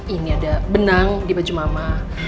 ini ada benang di baju mama